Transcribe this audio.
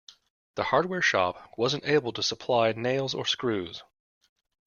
The hardware shop wasn't able to supply nails or screws.